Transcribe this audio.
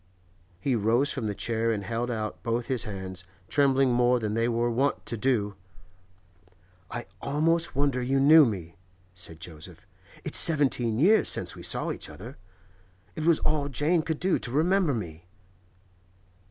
He rose from the chair and held out both his hands, trembling more than they were wont to do. 'I almost wonder you knew me,' said Joseph. 'It's seventeen years since we saw each other. It was all Jane could do to remember me.